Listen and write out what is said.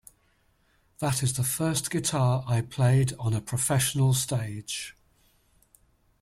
That is the first guitar I played on a professional stage.